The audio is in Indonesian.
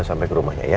sampai ke rumahnya ya